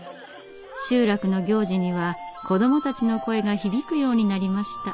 集落の行事には子どもたちの声が響くようになりました。